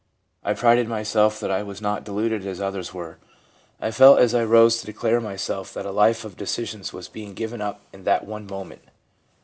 I prided myself that I was not deluded as others were. ... I felt as I rose to declare myself that a life of decisions was being given np in that one moment.